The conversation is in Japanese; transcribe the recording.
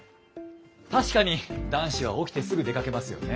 確かに男子は起きてすぐ出かけますよね。